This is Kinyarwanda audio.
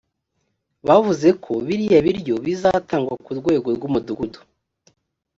bavuze ko biriya biryo bizatangwa ku rwego rwu mudugudu